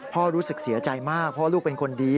รู้สึกเสียใจมากเพราะลูกเป็นคนดี